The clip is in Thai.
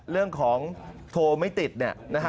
เรื่องของโทรไม่ติด